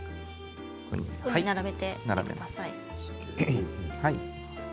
並べてください。